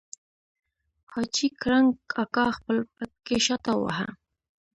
حاجي کړنګ اکا خپل پټکی شاته وواهه.